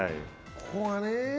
ここがねぇ。